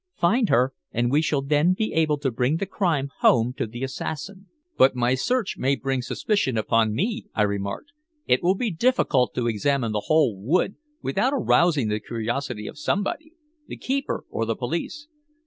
Find her, and we shall then be able to bring the crime home to the assassin." "But my search may bring suspicion upon me," I remarked. "It will be difficult to examine the whole wood without arousing the curiosity of somebody the keeper or the police."